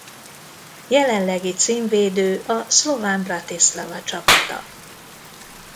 Jelenlegi címvédő a Slovan Bratislava csapata.